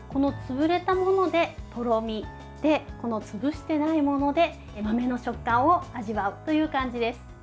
潰れたものでとろみ潰してないもので豆の食感を味わうという感じです。